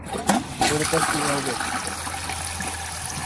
এরপর কী হবে?